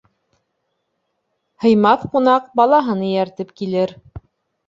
Һыймаҫ ҡунаҡ балаһын эйәртеп килер.